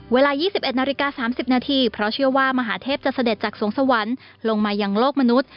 เวลา๒๑นาฬิกา๓๐นาทีเพราะเชื่อว่ามหาเทพจะเสด็จจากสวงสวรรค์ลงมายังโลกมนุษย์